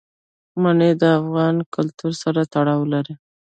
منی د افغان کلتور سره تړاو لري.